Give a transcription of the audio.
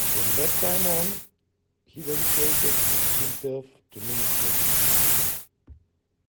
From that time on, he dedicated himself to ministry.